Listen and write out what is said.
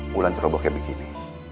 mulan ceroboh kayak begini